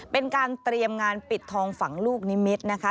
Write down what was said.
เป็นการเตรียมงานปิดทองฝังลูกนิมิตรนะคะ